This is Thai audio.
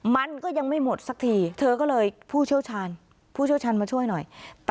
มันก็ยังไม่หมดสักทีเธอก็เลยผู้เชี่ยวชาญผู้เชี่ยวชาญมาช่วยหน่อย